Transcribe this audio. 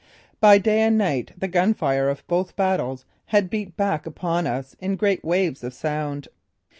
By day and night the gun fire of both battles had beat back upon us in great waves of sound.